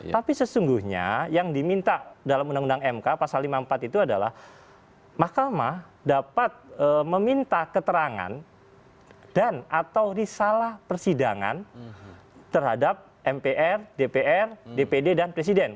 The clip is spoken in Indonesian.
tapi sesungguhnya yang diminta dalam undang undang mk pasal lima puluh empat itu adalah mahkamah dapat meminta keterangan dan atau risalah persidangan terhadap mpr dpr dpd dan presiden